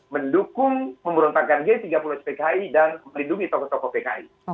mendukung memberontakkan g tiga puluh spki dan melindungi tokoh tokoh pki